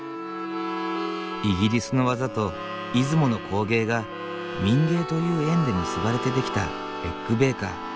イギリスの技と出雲の工芸が民藝という縁で結ばれて出来たエッグベーカー。